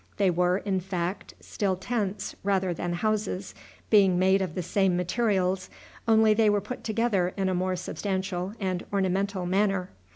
They were, in fact, still tents rather than houses, being made of the same materials, only they were put together in a more substantial and ornamental manner.